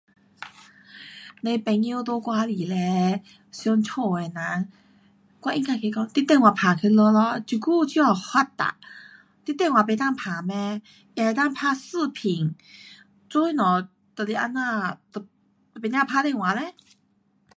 你的朋友在外里想家的人，我应该跟他讲你电话打回家咯，这久这么发达，你电话不能打嚒？也能够打视频。做什么就是这样你不要打电话嘞？。